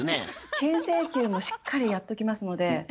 けん制球もしっかりやっときますので。